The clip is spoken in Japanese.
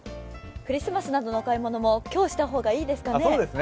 クリスマスのお買い物も今日した方がよさそうですね。